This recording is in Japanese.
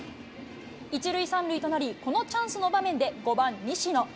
１塁３塁となり、このチャンスの場面で５番西野。